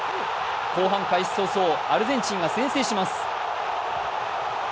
後半開始早々、アルゼンチンが先制します。